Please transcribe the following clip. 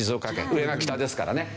上が北ですからね。